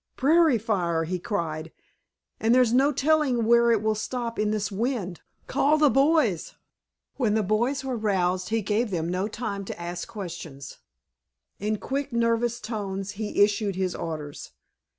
"Prairie fire!" he cried. "And there's no telling where it will stop in this wind! Call the boys!" When the boys were roused he gave them no time to ask questions. In quick, nervous tones he issued his orders.